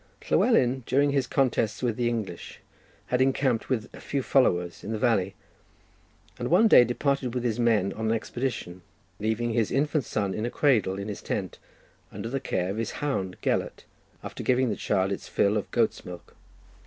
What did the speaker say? Llywelyn, during his contests with the English, had encamped with a few followers in the valley, and one day departed with his men on an expedition, leaving his infant son in a cradle in his tent, under the care of his hound Gelert, after giving the child its fill of goat's milk.